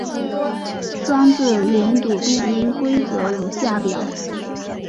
双字连读变音规则如下表。